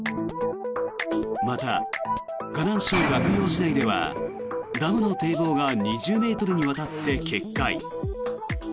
また、河南省洛陽市内ではダムの堤防が２０ｍにわたって決壊。